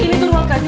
ini keluarganya lu